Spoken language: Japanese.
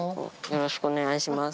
よろしくお願いします。